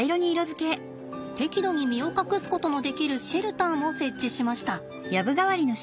適度に身を隠すことのできるシェルターも設置しました。